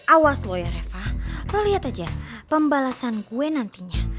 awas lo ya reva lo liat aja pembalasan gue nantinya